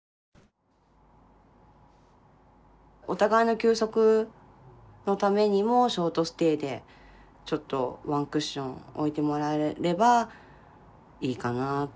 お互いの休息のためにもショートステイでちょっとワンクッション置いてもらえればいいかなっていう感じですかね